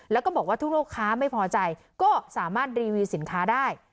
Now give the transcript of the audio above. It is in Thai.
แล้วก็บอกว่าทุกลูกค้าไม่พอใจก็สามารถรีวิวสินค้าได้